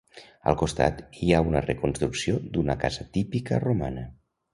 Al costat, hi ha una reconstrucció d'una casa típica romana.